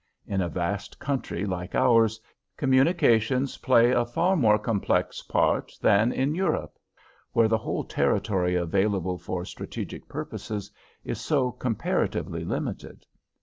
In a vast country like ours, communications play a far more complex part than in Europe, where the whole territory available for strategic purposes is so comparatively limited.